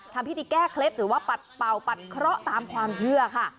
ทำพิธีแก้เคล็ดหรือว่าปัดเป่าปัดเคราะห์ตามความเชื่อค่ะ